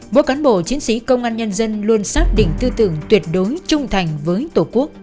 mỗi cán bộ chiến sĩ công an nhân dân luôn xác định tư tưởng tuyệt đối trung thành với tổ quốc